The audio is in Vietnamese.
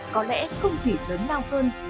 có lẽ không gì lớn nào hơn